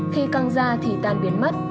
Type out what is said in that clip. khi căng da thì tan biến mất